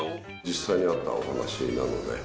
実際にあったお話なので。